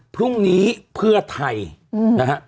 พรุ่งนี้เพื่อไทย